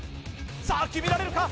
さあ決められるか？